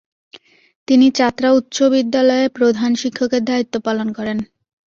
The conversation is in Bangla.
তিনি চাতরা উচ্চ বিদ্যালয়ে প্রধান শিক্ষকের দায়িত্ব পালন করেন।